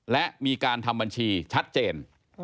และมีการทำบัญชีชัดเจน